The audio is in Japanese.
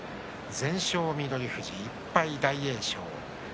全勝、翠富士１敗の大栄翔です。